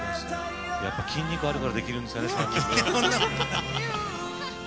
やっぱり筋肉があるからできるんですかね。